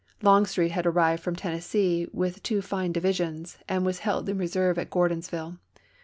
Longstreet had arrived from Tennessee with two fine divisions, 1864. and was held in reserve at Gordons^ille.